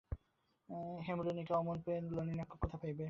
হেমনলিনীর মতো অমন মেয়ে নলিনাক্ষ কোথায় পাইবে?